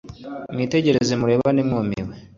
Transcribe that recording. mwitegereze, murebane mwumiwe!